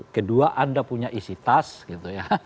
kedua anda punya isi tas gitu ya